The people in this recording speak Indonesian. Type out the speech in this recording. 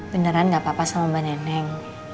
beneran gak apa apa sama mbak neneng